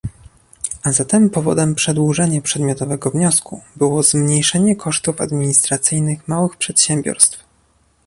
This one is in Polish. A zatem powodem przedłożenia przedmiotowego wniosku było zmniejszenie kosztów administracyjnych małych przedsiębiorstw